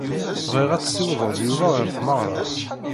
Bɣiɣ ad tessiwḍed Yuba ɣer tmeɣra.